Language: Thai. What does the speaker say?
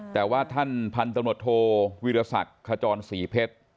แต่ว่าท่านพันธนโตโทวิทยาศักดิ์ขจรศรีเพชร